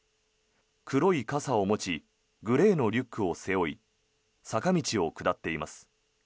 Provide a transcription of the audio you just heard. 黒い傘を持ちグレーのリュックを背負い坂道を下っています。